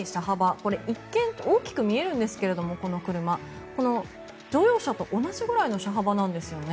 この車一見大きく見えるんですけど乗用車と同じぐらいの車幅なんですよね。